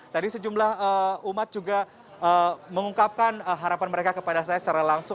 tadi sejumlah umat juga mengungkapkan harapan mereka kepada saya secara langsung